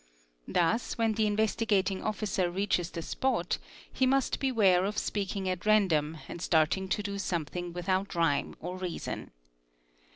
''T'hus when the Investigating Officer reaches — the spot, he must beware of speaking at random and starting to do something without rhyme or reason.